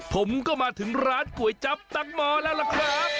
ผมก็มาถึงร้านก๋วยจับตั๊กม้อแล้วล่ะครับ